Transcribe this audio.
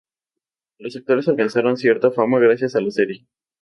Los actores alcanzaron cierta fama gracias a la serie.